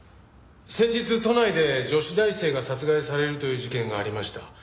先日都内で女子大生が殺害されるという事件がありました。